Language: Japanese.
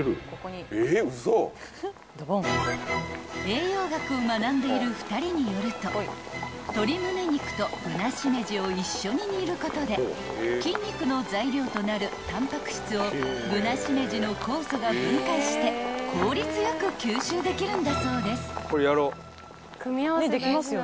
［栄養学を学んでいる２人によると鶏むね肉とブナシメジを一緒に煮ることで筋肉の材料となるタンパク質をブナシメジの酵素が分解して効率良く吸収できるんだそうです］